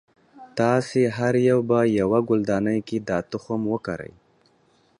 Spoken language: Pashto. تاسې هر یو به یوه ګلدانۍ کې دا تخم وکری.